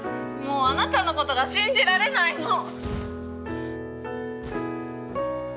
もうあなたのことが信じられないの！